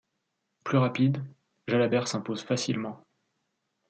Plus rapide, Jalabert s'impose facilement.